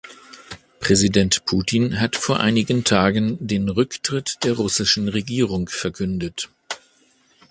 Präsident Putin hat vor einigen Tagen den Rücktritt der russischen Regierung verkündet.